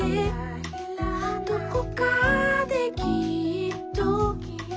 「どこかできっと」